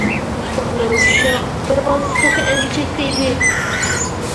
بالىلىرى ئۇششاق، بىر بالىسى تېخى ئەمچەكتە ئىدى.